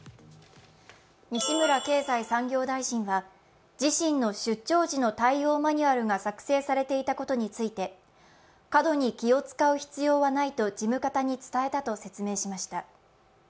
西村経済産業大臣は自身の出張時の対応マニュアルが作成されていたことについて過度に気を遣う必要はないと事務方に伝えたと説明しました。